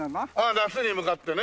夏に向かってね。